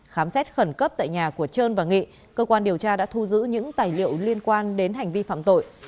khám xét khẩn cấp tại nhà của trơn và nghị cơ quan điều tra đã thu giữ những tài liệu liên quan đến hành vi phạm tội